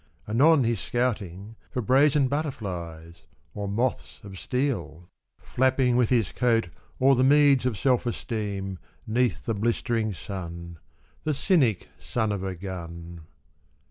Anon he's scouting For brazen butterflies or moths of steel, 19 Flapping with his coat o'er the meads of self esteem, 'Xeath the blistering sun — The cynic son of a gun.